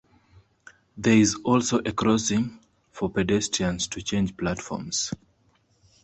There is also a crossing for pedestrians to change platforms.